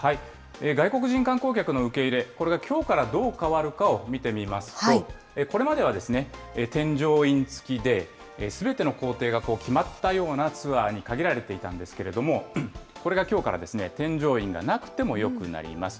外国人観光客の受け入れ、これがきょうからどう変わるかを見てみますと、これまでは添乗員付きで、すべての行程が決まったようなツアーに限られていたんですけれども、これがきょうから添乗員がなくてもよくなります。